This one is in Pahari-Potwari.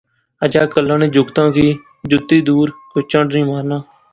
اجا کلا نے جنگُتاں کی جُتی دور کوئی چنڈ نی مارنا